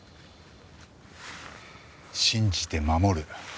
信じて護る。